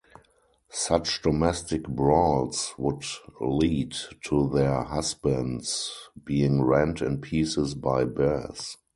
Such domestic brawls would lead to their husbands being rent in pieces by bears.